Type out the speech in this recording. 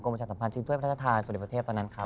กรมจรรย์สัมภัยชิงสุดีประสาธานตอนนั้นครับ